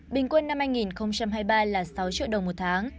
bình quân năm hai nghìn hai mươi ba là sáu triệu đồng một tháng